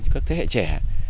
các thế hệ trẻ